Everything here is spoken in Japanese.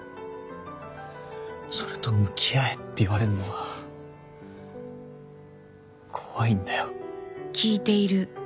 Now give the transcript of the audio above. それと向き合えって言われんのは怖いんだよ。